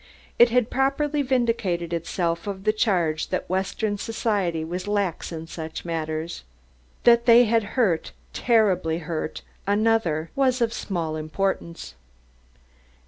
It had properly vindicated itself of the charge that western society was lax in such matters. That they had hurt terribly hurt another, was of small importance.